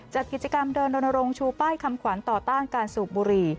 จัดกิจกรรมเดินรณรงค์ชูป้ายคำขวัญต่อต้านการสูบบุหรี่